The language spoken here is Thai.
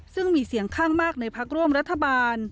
ซึ่งมีเสียงข้างมากในพักร่วมรัฐบาล